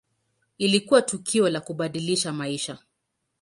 Ilikuwa tukio la kubadilisha maisha.